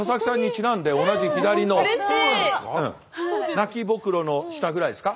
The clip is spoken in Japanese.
泣きぼくろの下ぐらいですか。